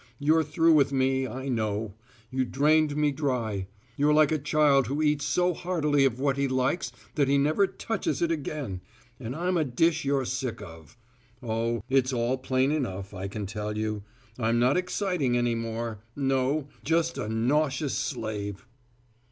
You're through with me, I know. You drained me dry. You're like a child who eats so heartily of what he likes that he never touches it again. And I'm a dish you're sick of. Oh, it's all plain enough, I can tell you. I'm not exciting any more no, just a nauseous slave!"